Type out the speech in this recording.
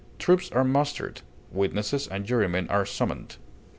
Troops are mustered; witnesses and jurymen are summoned.